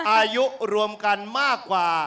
อายุรวมกันมากกว่า